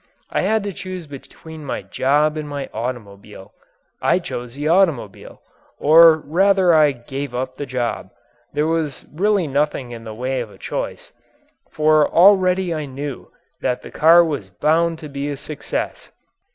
I had to choose between my job and my automobile. I chose the automobile, or rather I gave up the job there was really nothing in the way of a choice. For already I knew that the car was bound to be a success.